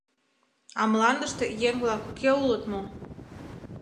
А Мландыште еҥ-влак уке улыт мо?